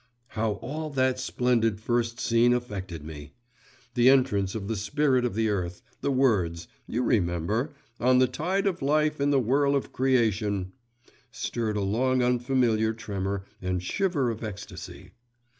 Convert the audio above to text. How all that splendid first scene affected me! The entrance of the Spirit of the Earth, the words, you remember 'on the tide of life, in the whirl of creation,' stirred a long unfamiliar tremor and shiver of ecstasy.